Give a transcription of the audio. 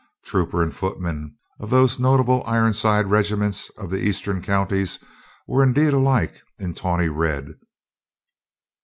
Trooper and footman of those nota ble Ironside regiments of the Eastern Counties were indeed alike in tawny red.